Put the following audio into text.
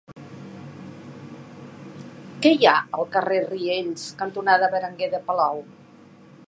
Què hi ha al carrer Riells cantonada Berenguer de Palou?